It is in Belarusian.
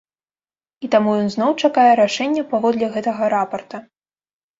І таму ён зноў чакае рашэння паводле гэтага рапарта.